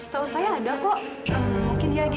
tunggu sebentar ya